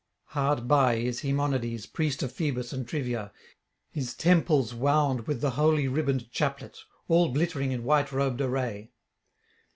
Hard by is Haemonides, priest of Phoebus and Trivia, his temples wound with the holy ribboned chaplet, all glittering in white robed array.